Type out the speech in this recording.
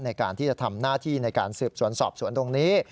ในการที่จะทำหน้าที่ในการสืบสวนสอบสวนตรงนี้